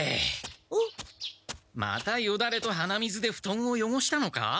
またよだれと鼻水でふとんをよごしたのか？